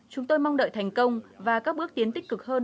chúng tôi mong đợi thành công và các bước tiến tích cực hơn